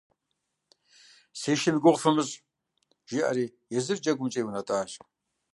«Си шым и гугъу фымыщӀ», – жиӀэри езым джэгумкӀэ иунэтӀащ.